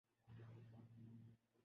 ہدایت کار امین اقبال کی